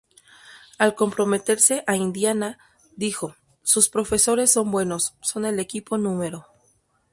Al comprometerse a Indiana, dijo, "Sus profesores son buenos, son el equipo No.